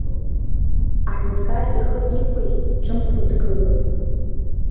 Аҳәынҭқар ихы иқәыжь, ҿымҭуа дгылоуп.